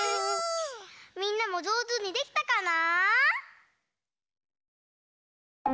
みんなもじょうずにできたかな？